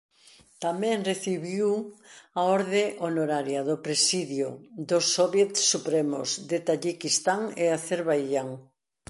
Tamén recibiu a Orde Honoraria do Presidio dos Soviets Supremos de Taxiquistán e Acerbaixán.